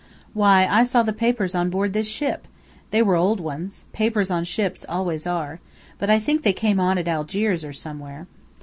Why, I saw the papers on board this ship! They were old ones. Papers on ships always are. But I think they came on at Algiers or somewhere."